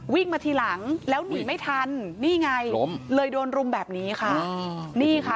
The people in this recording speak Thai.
วิ่งมาทีหลังแล้วหนีไม่ทันนี่ไงล้มเลยโดนรุมแบบนี้ค่ะนี่ค่ะ